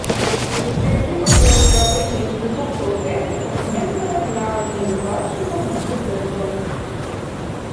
Перспектыва пераўтварэння інстытута ў тэхнікум не задавальняла ні выкладчыкаў, ні студэнтаў.